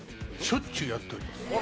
しょっちゅうやっております。